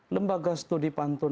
lembaga studi pantun